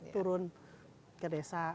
turun ke desa